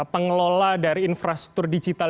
pengelola dari infrastruktur digital